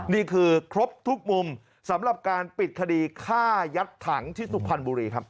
นี่คือครบทุกมุมสำหรับการปิดคดีฆ่ายัดถังที่สุพรรณบุรีครับ